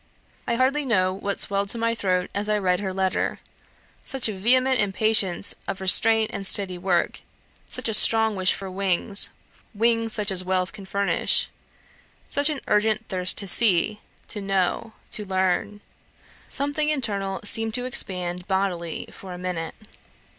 I hardly know what swelled to my throat as I read her letter: such a vehement impatience of restraint and steady work; such a strong wish for wings wings such as wealth can furnish; such an urgent thirst to see, to know, to learn; something internal seemed to expand bodily for a minute.